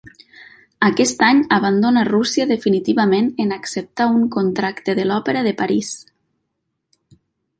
Aquest any abandona Rússia definitivament en acceptar un contracte de l'Òpera de París.